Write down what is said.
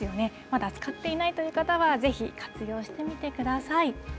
まだ使っていないという方は、ぜひ活用してみてください。